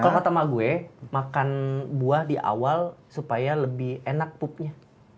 kalau pertama gue makan buah di awal supaya lebih enak pupnya